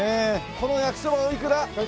この焼きそばおいくら？